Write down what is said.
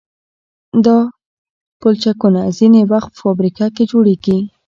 دا پلچکونه ځینې وخت په فابریکه کې جوړیږي